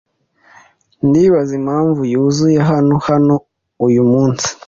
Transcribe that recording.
Ndibaza impamvu yuzuye hano hano uyumunsi.